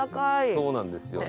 そうなんですよね。